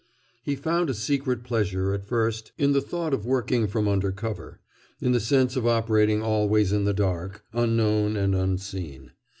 He found a secret pleasure, at first, in the thought of working from under cover, in the sense of operating always in the dark, unknown and unseen.